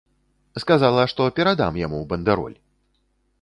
Сказала, што перадам яму бандэроль!